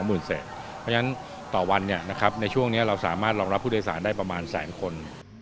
เพราะฉะนั้นต่อวันในช่วงนี้เราสามารถรองรับผู้โดยสารได้ประมาณแสนคน